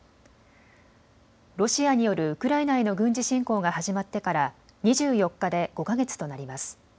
ロシアによるウクライナへの軍事侵攻が始まってから２４日で５か月となります。